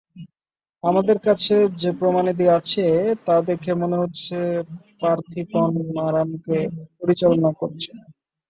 আমাদের কাছে যে প্রমাণাদি আছে, তা দেখে মনে হচ্ছে পার্থিপন মারানকে পরিচালনা করছে।